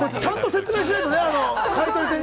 ちゃんと説明しないとね。